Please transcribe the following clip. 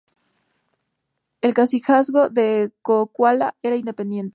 El cacicazgo de Cocula era independiente.